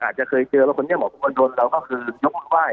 อาจจะเคยเจอว่าคนนี้หมอภูวะดนเราก็คือนกว้าย